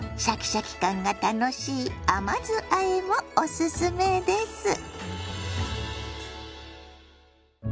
シャキシャキ感が楽しい甘酢あえもおすすめです。